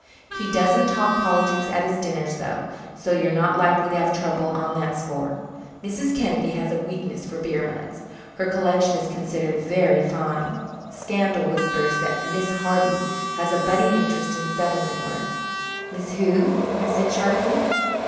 He doesn't talk politics at his dinners, though, so you're not likely to have trouble on that score. Mrs. Kennedy has a weakness for beer mugs. Her collection is considered very fine. Scandal whispers that Miss Harvey has a budding interest in settlement work " "Miss who?" I said sharply.